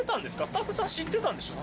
スタッフさん知ってたんでしょ？